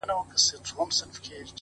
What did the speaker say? o لکه کنگل تودو اوبو کي پروت يم؛